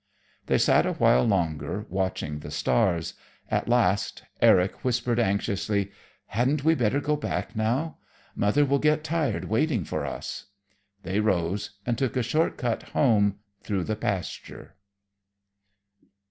They sat a while longer, watching the stars. At last Eric whispered anxiously: "Hadn't we better go back now? Mother will get tired waiting for us." They rose and took a short cut home, through the pasture.